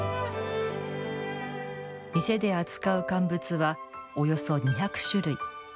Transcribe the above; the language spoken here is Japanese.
店で扱う乾物はおよそ２００種類。